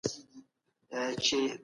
د مېوو پوستکي مه خورئ.